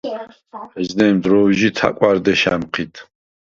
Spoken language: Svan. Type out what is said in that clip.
ეჯნემ დრო̈ვჟი თა̈კვა̈რ დეშ ა̈მჴიდ.